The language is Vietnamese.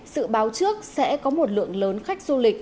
sự báo trước sẽ có một lượng lớn khách du lịch